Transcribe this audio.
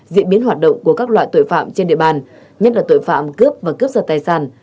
diễn biến hoạt động của các loại tội phạm trên địa bàn nhất là tội phạm cướp và cướp giật tài sản